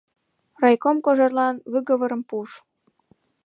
Райком Кожерлан выговорым пуыш.